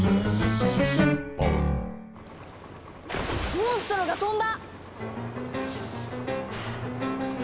モンストロが飛んだ！